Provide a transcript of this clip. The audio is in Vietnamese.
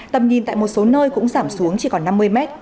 tầm nhìn tại một số nơi cũng giảm xuống chỉ còn năm mươi mét